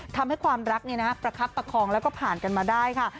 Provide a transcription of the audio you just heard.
ทำให้ความรักประคับประคองแล้วก็ผ่านกันมาได้ค่ะ